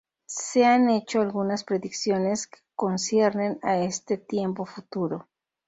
Se han hecho algunas predicciones que conciernen a este tiempo futuro.